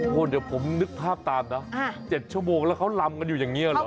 เดี๋ยวผมนึกภาพตามนะ๗ชั่วโมงแล้วเขาลำกันอยู่อย่างนี้เหรอ